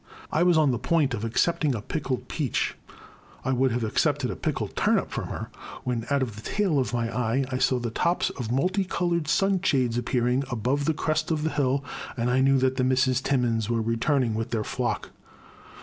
I was on the point of accepting a pickled peach. 276 TAe Crime. — I would have accepted a pickled turnip from her, — ^when, out of the tail of my eye, I saw the tops of multi coloured sunshades appearing above the crest of the hill, and I knew that the Misses Timmins were returning with their flock.